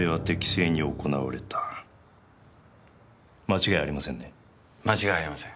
間違いありません。